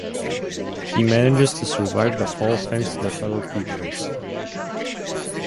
He manages to survive the fall thanks to the fellow creatures.